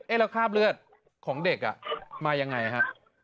เอ้ะแล้วคราบเลือดยังไงฮะ